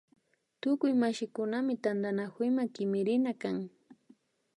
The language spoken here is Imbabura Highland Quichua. Tukuy mashikunami tantanakuyma kimirina kan